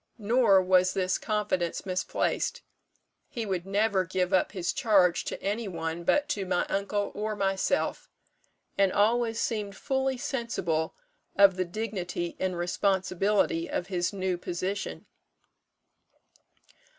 Nor was this confidence misplaced. He would never give up his charge to any one but to my uncle or myself; and always seemed fully sensible of the dignity and responsibility of his new position."